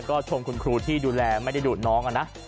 ก็ชมคุณครูที่ดูแลไม่ได้ดูดน้องนะ